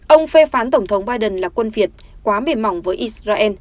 ông phê phán tổng thống biden là quân việt quá mềm mỏng với israel